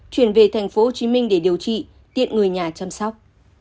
chuyển về tp hcm để điều trị tiện người nhà chăm sóc